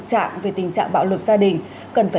dù bị bạo lực